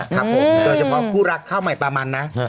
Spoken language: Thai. ครับผมโดยเฉพาะคู่รักข้าวใหม่ปลามันนะ